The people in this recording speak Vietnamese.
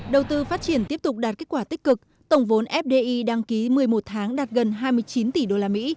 đầu tư phát triển tiếp tục đạt kết quả tích cực tổng vốn fdi đăng ký một mươi một tháng đạt gần hai mươi chín tỷ đô la mỹ